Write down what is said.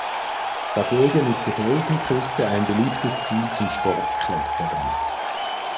Dagegen ist die Felsenküste ein beliebtes Ziel zum Sportklettern.